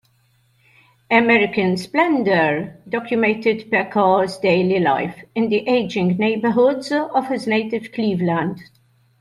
"American Splendor" documented Pekar's daily life in the aging neighborhoods of his native Cleveland.